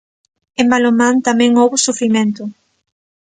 En balonmán, tamén houbo sufrimento.